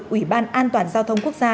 ủy ban an toàn giao thông quốc gia